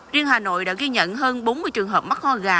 riêng hà nội đã ghi nhận hơn bốn mươi trường hợp mắc ho gà